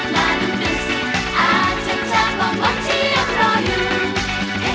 มาดูดูสิอาจจะเจอบางวันที่ยังรออยู่